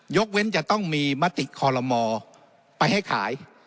ยกเว้นจะต้องมีมติคอลโลมอไปให้ขาย